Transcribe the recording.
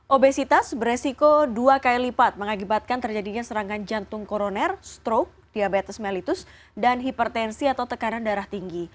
obesitas beresiko dua kali lipat mengakibatkan terjadinya serangan jantung koroner stroke diabetes mellitus dan hipertensi atau tekanan darah tinggi